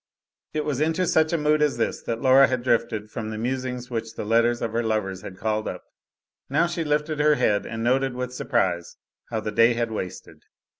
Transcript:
It was into such a mood as this that Laura had drifted from the musings which the letters of her lovers had called up. Now she lifted her head and noted with surprise how the day had wasted.